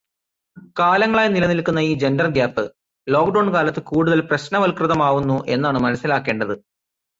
കാലങ്ങളായി നിലനിൽക്കുന്ന ഈ 'ജൻഡർ ഗ്യാപ്' ലോക്ക്ഡൗൺ കാലത്ത് കൂടുതൽ പ്രശ്നവത്കൃതമാവുന്നു എന്നാണ് മനസ്സിലാക്കേണ്ടത്.